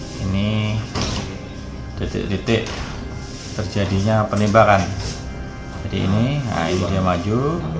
hai ini detik detik terjadinya penembakan jadi ini airnya maju